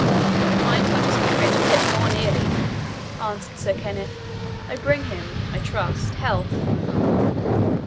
"Mine touches King Richard yet more nearly," answered Sir Kenneth; "I bring him, I trust, health."